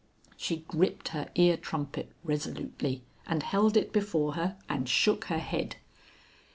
She gripped her ear trumpet resolutely, and held it before her and shook her head.